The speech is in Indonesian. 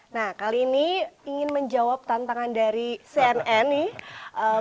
nah kali ini ingin menjawab tantangan dari cnn nih